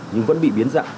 nhưng vẫn bị biến dặn